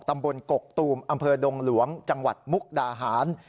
กกตูมอำเภอดงหลวงจังหวัดมุกดาหาร